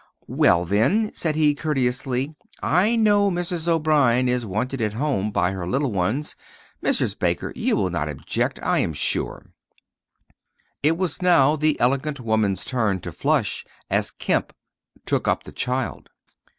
"Well, then," said he, courteously, "I know Mrs. O'Brien is wanted at home by her little ones. Mrs. Baker, you will not object, I am sure." It was now the elegant woman's turn to flush as Kemp took up the child.